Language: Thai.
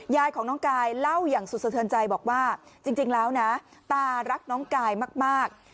ยายของน้องกายเล่าอย่างสุดสะเทินใจบอกว่าจริงแล้วนะตารักน้องกายมาก